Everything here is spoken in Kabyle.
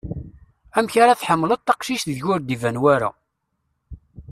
Amek ar ad tḥemmeled taqcict ideg ur-d iban wara?